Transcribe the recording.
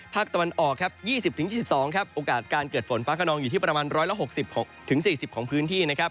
ภาคตะวันออกครับ๒๐๒๒โอกาสการเกิดฝนฟ้าขนองอยู่ที่ประมาณ๑๖๐๖๔๐ของพื้นที่